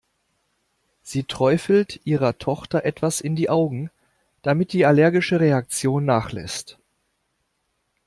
Sie träufelt ihrer Tochter etwas in die Augen, damit die allergische Reaktion nachlässt.